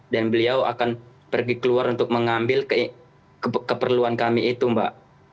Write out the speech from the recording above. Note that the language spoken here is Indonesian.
dan beliau akan pergi keluar untuk mengambil keperluan kami itu mbak